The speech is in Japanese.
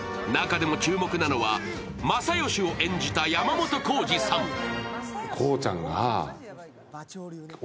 中でも注目なのは、正義を演じた山本耕史さん。